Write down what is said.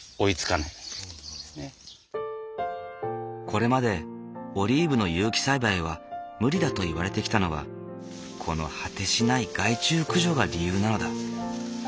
これまでオリーブの有機栽培は無理だといわれてきたのはこの果てしない害虫駆除が理由なのだ。